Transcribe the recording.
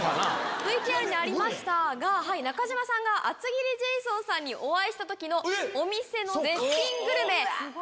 ＶＴＲにありましたが中島さんが厚切りジェイソンさんにお会いした時のお店の。